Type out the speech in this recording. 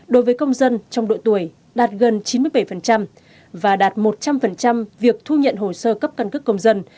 đối với công dân trong độ tuổi đạt gần chín mươi bảy và đạt một trăm linh việc thu nhận hồ sơ cấp căn cước công dân